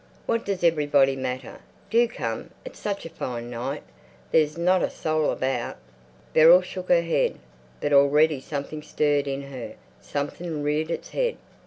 "What does everybody matter? Do come! It's such a fine night. There's not a soul about." Beryl shook her head. But already something stirred in her, something reared its head.